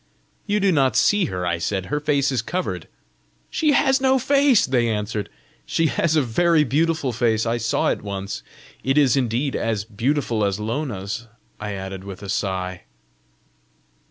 "You do not see her," I said; "her face is covered!" "She has no face!" they answered. "She has a very beautiful face. I saw it once. It is indeed as beautiful as Lona's!" I added with a sigh.